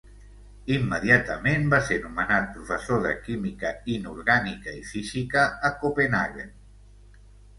Immediatament va ser nomenat professor de química inorgànica i física a Copenhaguen.